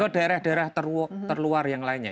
ke daerah daerah terluar yang lainnya